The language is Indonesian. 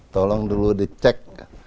tolong dulu dicek